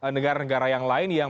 negara negara yang lain yang